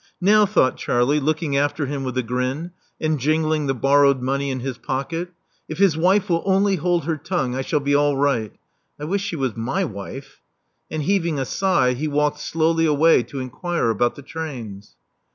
Now," thought Charlie, looking after him with a grin, and jingling the borrowed money in his pocket, i£ his wife will only hold her tongue, I shall be all right. I wish she was my wife.*' And heaving a sigh, he walked slowly away to inquire about the trains.